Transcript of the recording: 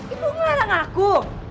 ibu ngelarang aku